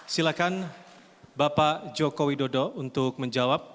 silakan bapak joko widodo untuk menjawab